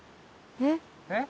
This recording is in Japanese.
えっ？